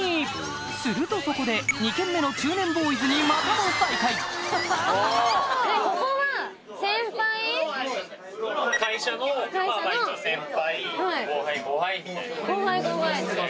するとそこで２軒目の中年ボーイズにまたも再会後輩後輩。